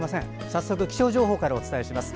早速、気象情報からお伝えします。